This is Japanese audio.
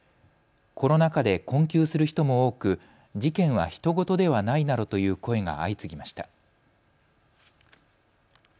コロナ禍で困窮する人も多く事件はひと事ではないなどという声が相次ぎました。